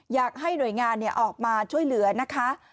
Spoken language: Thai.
อยากให้หน่วยงานออกมาช่วยเหลือนะคะ